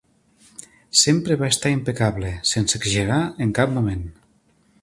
Sempre va estar impecable, sense exagerar en cap moment.